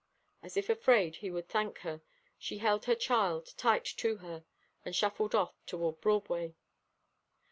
As if afraid he would thank her, she held her child tight to her, and shuffled off toward Broadway.